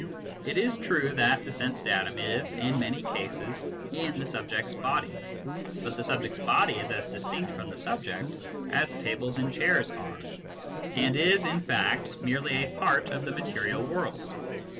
It is true that the sense datum is in many cases in the subject s body, but the subject s body is as dis tinct from the subject as tables and chairs are, and is in fact merely a part of the material world.